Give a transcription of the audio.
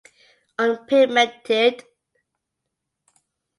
Unpigmented.